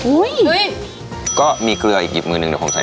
เฮ้ยก็มีเกลืออีกหยิบมือหนึ่งเดี๋ยวผมใช้